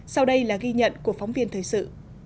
sau đây là ghi nhận của phóng viên thời sự